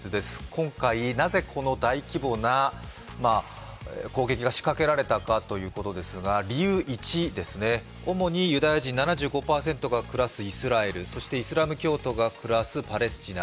今回、なぜこの大規模な攻撃が仕掛けられたかということですが、理由１、主にユダヤ人７５％が暮らすイスラエル、そしてイスラム教徒が暮らすパレスチナ。